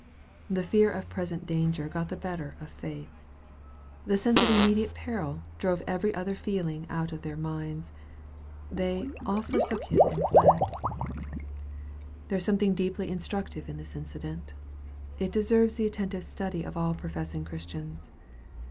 The fear of present danger got the better of faith. The Bense of immediate peril drove every other feeling cut of their minds. They " all forsook Him and fled." 324 EXPOSITORY THOUGHTS. There is something deeply instructive in this incident. It deserves the attentive study of all professing Chris tians.